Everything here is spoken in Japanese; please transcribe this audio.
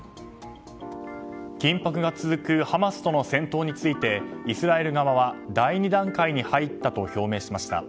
緊迫が続くハマスとの戦闘についてイスラエル側は第２段階に入ったと表明しました。